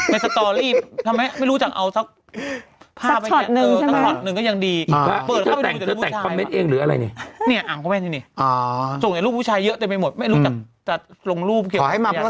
ในสตอรี่ทำไมไม่รู้จักเอาสัก